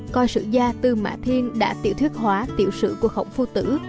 coi sử gia tư mạ thiên đã tiểu thuyết hóa tiểu sử của khổng phu tử